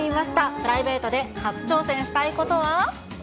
プライベートで初挑戦したいことは？